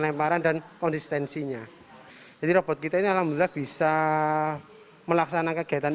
lemparan dan konsistensinya jadi robot kita ini alhamdulillah bisa melaksanakan kegiatan